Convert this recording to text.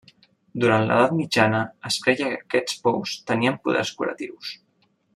Durant l'edat mitjana es creia que aquests pous tenien poders curatius.